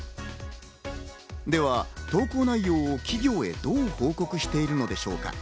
では投稿内容を企業へどう報告しているのでしょうか。